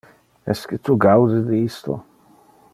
Esque tu gaude de isto?